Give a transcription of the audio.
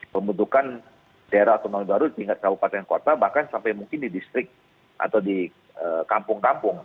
pembentukan daerah otonomi baru di tingkat kabupaten kota bahkan sampai mungkin di distrik atau di kampung kampung